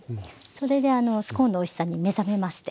それでスコーンのおいしさに目覚めまして。